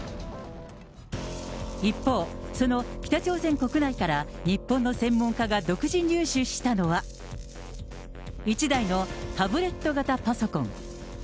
一方、その北朝鮮国内から日本の専門家が独自入手したのは、１台のタブレット型パソコン。